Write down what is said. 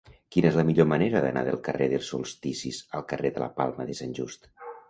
Quina és la millor manera d'anar del carrer dels Solsticis al carrer de la Palma de Sant Just?